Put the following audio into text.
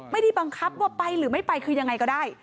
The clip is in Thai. ไม่ได้บังคับว่าไปหรือไม่ไปคือยังไงก็ได้